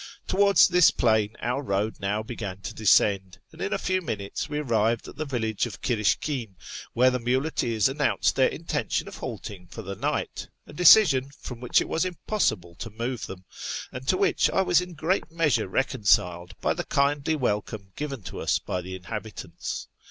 Towards this plain our road now began to descend, and in a few minutes we arrived at the village of Kirishkin, where the muleteers announced their intention of halting for the night — a decision from which it FROM TABRIZ TO TEHERAN 77 was impossible to move them, and to which I was in great measure reconciled by the kindly welcome given to us by the inhabitants.